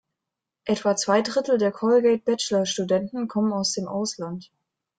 Etwa zwei Drittel der Colgate Bachelor-Studenten kommen aus dem Ausland.